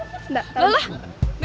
nggak ada yang lounge